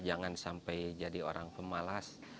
jangan sampai jadi orang pemalas